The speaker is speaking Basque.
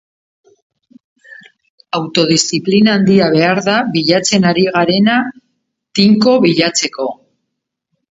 Autodiziplina handia behar da bilatzen ari garena tinko bilatzeko.